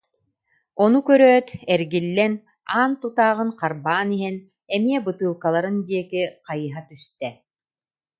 Ону көрөөт, эргиллэн аан тутааҕын харбаан иһэн эмиэ бытыылкаларын диэки хайыһа түстэ